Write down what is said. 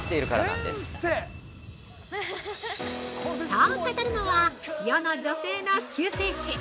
◆そう語るのは世の女性の救世主！